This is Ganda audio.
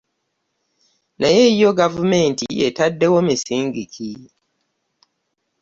Naye yo gavumenti etaddewo misingi ki?